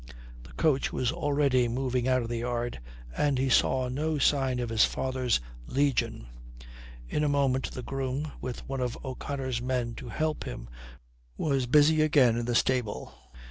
The coach was already moving out of the yard, and he saw no sign of his father's legion. In a moment the groom, with one of O'Connor's men to help him, was busy again in the stable.